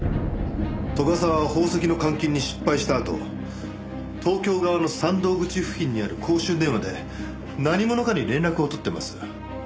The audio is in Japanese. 斗ヶ沢は宝石の換金に失敗したあと東京側の山道口付近にある公衆電話で何者かに連絡を取っています。